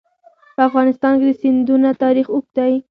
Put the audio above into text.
په افغانستان کې د سیندونه تاریخ اوږد دی.